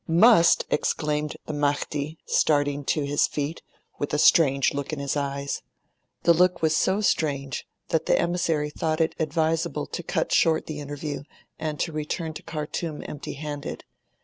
'Must!' exclaimed the Mahdi, starting to his feet, with a strange look in his eyes. The look was so strange that the emissary thought it advisable to cut short the interview and to return to Khartoum empty handed.